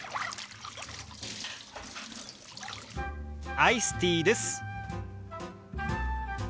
アイスティーです。